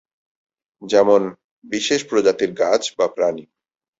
যেমনঃ বিশেষ প্রজাতির গাছ বা প্রাণী।